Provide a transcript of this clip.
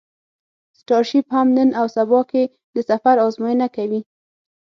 سټارشیپ هم نن او سبا کې د سفر ازموینه کوي.